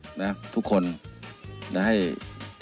ให้มีความทรงใจมากขึ้น